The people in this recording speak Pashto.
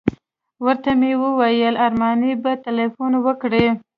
ورته ومې ویل ارماني به تیلفون وکړي.